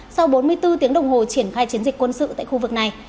sau bốn mươi bốn tiếng đồng hồ triển khai chiến dịch quân sự tại khu vực này